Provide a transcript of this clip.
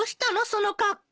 その格好。